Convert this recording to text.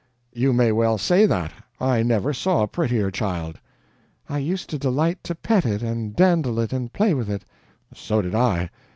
"You may well say that. I never saw a prettier child." "I used to delight to pet it and dandle it and play with it." "So did I."